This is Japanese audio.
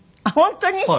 あっ本当に？